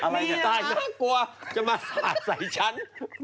อย่างน้อยมักกลัวจะมาศาิฉัน